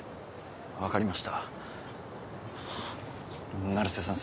分かりました成瀬さん